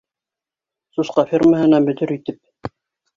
Сусҡа фермаһына мөдир итеп.